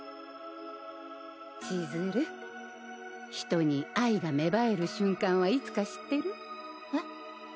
ちづる人に愛が芽生える瞬間はいつか知ってる？えっ？